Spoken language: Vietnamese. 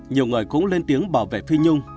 nhiều người cũng lên tiếng bảo vệ phi nhung